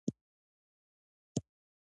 د مېلو پر مهال خلک د ټوکو مجلسونه جوړوي.